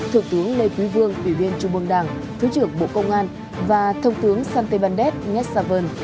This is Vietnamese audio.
thượng tướng lê quý vương ủy viên trung vương đảng thứ trưởng bộ công an và thông tướng santé bandet nguyet xà vân